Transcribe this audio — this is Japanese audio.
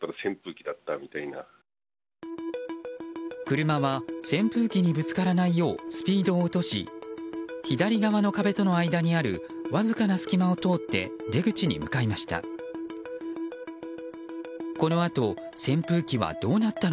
車は扇風機にぶつからないようスピードを落とし左側の壁との間にあるわずかな隙間を通って出口に向かいました。